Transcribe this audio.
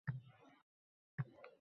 Bir yaqinlik tortib ko’ngilni